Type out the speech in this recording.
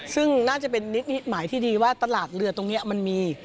ซึ่งน่าจะเป็นนิดหมายที่ดีว่าตลาดเรือตรงนี้มันมี